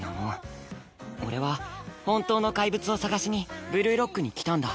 俺は本当のかいぶつを探しにブルーロックに来たんだ。